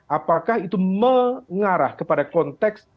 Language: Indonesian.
apakah itu mengarah kepada konteks